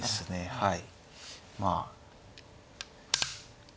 はい。